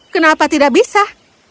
kenapa tidak bisa